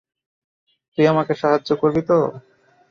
তুই আমাকে সাহায্য করবি তো?